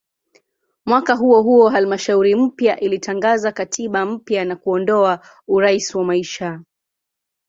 Mwaka huohuo halmashauri mpya ilitangaza katiba mpya na kuondoa "urais wa maisha".